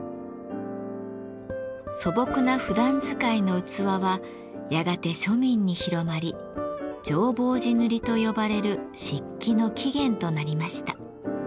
素朴なふだん使いの器はやがて庶民に広まり「浄法寺塗」と呼ばれる漆器の起源となりました。